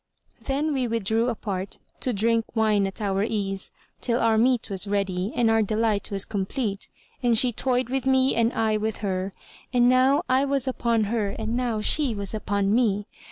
[FN#159] Then we withdrew apart, to drink wine at our ease, till our meat was ready[FN#160] and our delight was complete, and she toyed with me and I with her, and now I was upon her and now she was upon me.